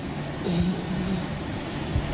อืม